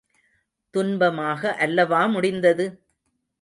துன்பமாக அல்லவா முடிந்தது?